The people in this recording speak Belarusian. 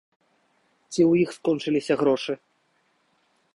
Ці ў іх скончыліся грошы.